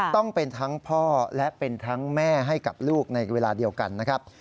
ต้องเป็นทั้งพ่อและเป็นทั้งแม่ให้กับลูกในเวลาเดียวกันนะครับ